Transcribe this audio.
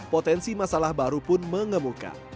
potensi masalah baru pun mengemuka